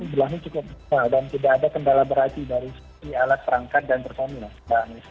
jumlahnya cukup besar dan tidak ada kendala berarti dari alat rangkat dan performa